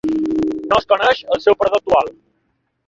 No es coneix el seu parador actual.